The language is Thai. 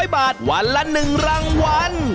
๐บาทวันละ๑รางวัล